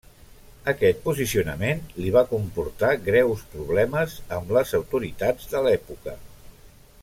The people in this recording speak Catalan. Aquest posicionament li va comportar greus problemes amb les autoritats de l'època.